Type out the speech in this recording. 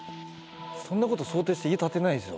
そんなこと想定して家建てないですよ